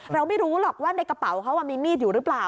เราไม่รู้หรอกว่าในกระเป๋าเขามีมีดอยู่หรือเปล่า